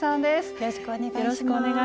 よろしくお願いします。